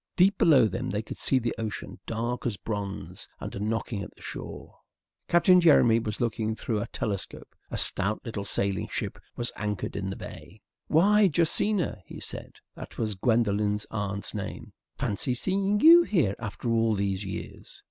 Deep below them they could see the ocean, dark as bronze and knocking at the shore. Captain Jeremy was looking through a telescope. A stout little sailing ship was anchored in the bay. "Why, Josina," he said that was Gwendolen's aunt's name "fancy seeing you here after all these years!"